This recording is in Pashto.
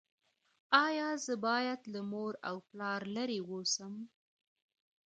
ایا زه باید له مور او پلار لرې اوسم؟